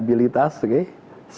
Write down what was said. perlindungan perempuan disabilitas